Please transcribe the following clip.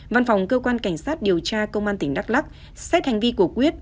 văn phòng cơ quan cảnh sát điều tra công an tỉnh đắk lắc xét hành vi của quyết